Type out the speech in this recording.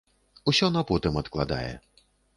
Усё на потым адкладае.